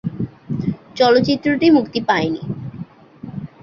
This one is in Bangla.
চলচ্চিত্রটি মুক্তি পায়নি।